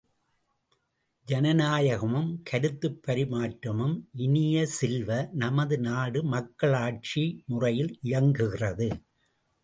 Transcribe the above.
ஜனநாயகமும் கருத்துப் பரிமாற்றமும் இனிய செல்வ, நமது நாடு மக்களாட்சி முறையில் இயங்குகிறது.